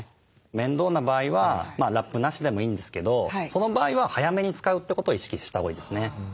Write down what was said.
面倒な場合はラップなしでもいいんですけどその場合は早めに使うってことを意識したほうがいいですね。